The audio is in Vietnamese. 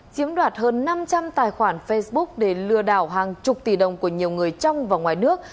chiếm đoạt hơn năm trăm linh tài khoản facebook để lừa đảo hàng chục tỷ đồng của nhiều người trong và ngoài nước